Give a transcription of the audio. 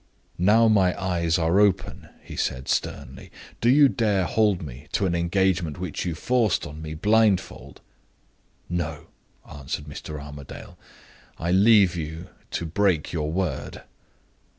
"Now my eyes are open," he said, sternly, "do you dare hold me to an engagement which you forced on me blindfold?" "No," answered Mr. Armadale. "I leave you to break your word."